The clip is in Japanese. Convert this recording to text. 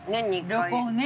旅行ね。